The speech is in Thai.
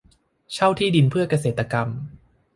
เช่าที่ดินเพื่อเกษตรกรรม